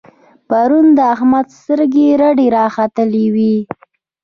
پرون د احمد سترګې رډې را ختلې وې.